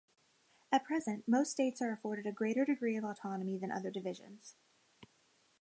At present, most states are afforded a greater degree of autonomy than other divisions.